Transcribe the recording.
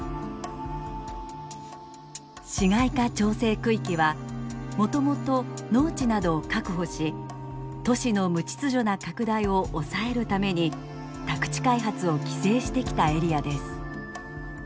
市街化調整区域はもともと農地などを確保し都市の無秩序な拡大を抑えるために宅地開発を規制してきたエリアです。